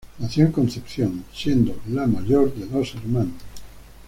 Nació en Concepción, siendo la mayor de dos hermanos.